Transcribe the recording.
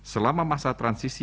selama masa transisi